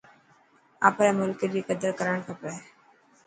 آپري ملڪ ري قدر ڪرڻ کپي.